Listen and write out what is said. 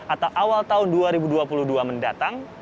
atau awal tahun dua ribu dua puluh dua mendatang